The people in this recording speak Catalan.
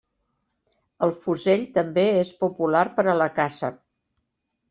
El fusell també és popular per a la caça.